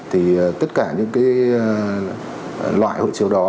thì tất cả những cái loại hộ chiếu đó